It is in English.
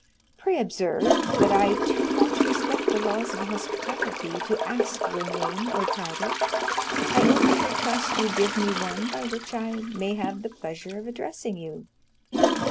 Pray observe, that I too much respect the laws of hospitality to ask your name or title. I only request you to give me one by which I may have the pleasure of addressing you.